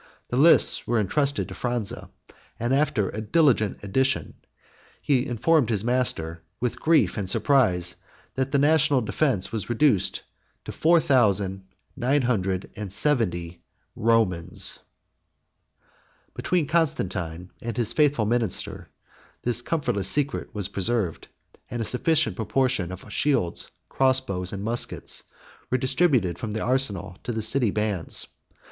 The lists were intrusted to Phranza; 31 and, after a diligent addition, he informed his master, with grief and surprise, that the national defence was reduced to four thousand nine hundred and seventy Romans. Between Constantine and his faithful minister this comfortless secret was preserved; and a sufficient proportion of shields, cross bows, and muskets, were distributed from the arsenal to the city bands.